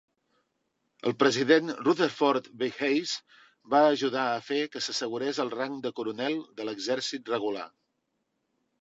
El president Rutherford B. Hayes va ajudar a fer que s'assegurés el rang de coronel de l'exèrcit regular.